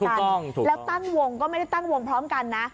ถูกต้องแล้วตั้งวงก็ไม่ได้ตั้งวงพร้อมกันนะ